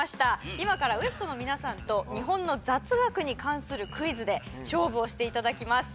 今からＷＥＳＴの皆さんと日本の雑学に関するクイズで勝負をしていただきます